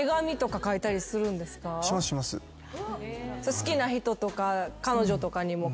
好きな人とか彼女とかにも書きます？